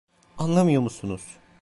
Anlamıyor musunuz?